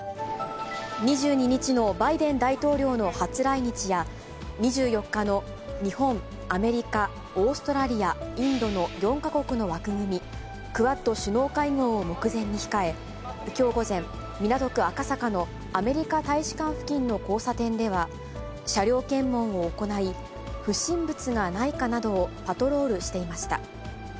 ２２日のバイデン大統領の初来日や、２４日の日本、アメリカ、オーストラリア、インドの４か国の枠組み、クアッド首脳会合を目前に控え、きょう午前、港区赤坂のアメリカ大使館付近の交差点では、車両検問を行い、不審物がないかなどをパトロールしていました。